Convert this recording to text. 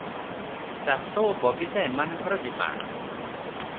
ଚାଷ ଓ ବଗିଚା ଏମାନଙ୍କର ଜିମା ।